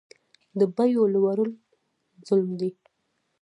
د بیو لوړول ظلم دی